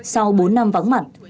sau bốn năm vắng mặt